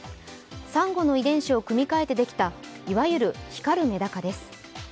さんごの遺伝子を組み換えてできた、いわゆる光るメダカです。